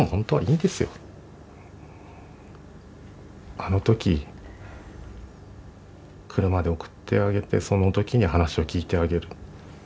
あの時車で送ってあげてその時に話を聞いてあげる。